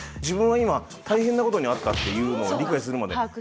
自分は今大変なことに遭ったっていうのを理解するまで。